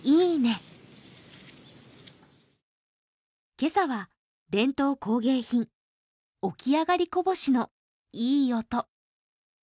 今朝は伝統工芸品起き上がり小法師のいい音。